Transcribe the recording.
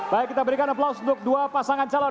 baik kita berikan aplaus untuk dua pasangan calon